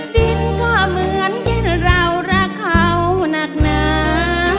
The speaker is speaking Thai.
ดินก็เหมือนที่เรารักเขานักหนา